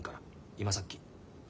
今さっき。